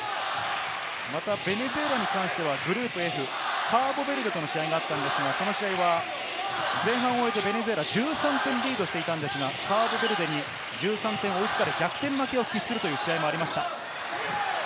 ベネズエラに関してはグループＦ、カーボベルデとの試合だったんですが、その試合は前半を終えて、ベネズエラ１３点リードしていたんですが、カーボベルデに１３点を追いつかれ、逆転負けを喫するという試合もありました。